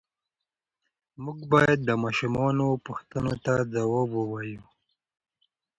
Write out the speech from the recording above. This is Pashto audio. موږ باید د ماشومانو پوښتنو ته ځواب ووایو.